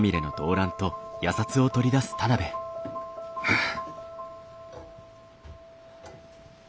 はあ。